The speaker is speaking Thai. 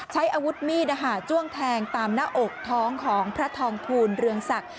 ใช้อาวุธมีดจ้วงแทงตามหน้าอกท้องของพระทองภูลเรืองศักดิ์